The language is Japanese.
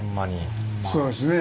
そうですね。